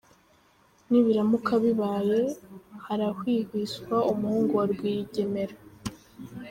Nibiramuka bibaye, harahwihwiswa umuhungu wa Rwigemera!!